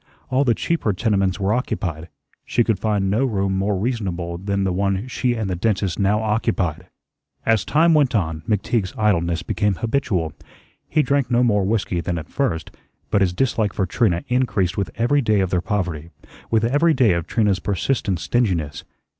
All the cheaper tenements were occupied. She could find no room more reasonable than the one she and the dentist now occupied. As time went on, McTeague's idleness became habitual. He drank no more whiskey than at first, but his dislike for Trina increased with every day of their poverty, with every day of Trina's persistent stinginess.